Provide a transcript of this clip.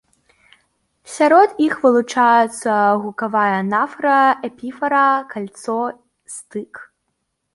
Сярод іх вылучаюцца гукавая анафара, эпіфара, кальцо, стык.